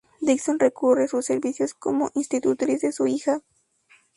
Dickson recurre a sus servicios como institutriz de su hija.